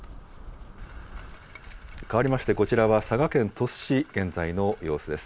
かわりましてこちらは佐賀県鳥栖市、現在の様子です。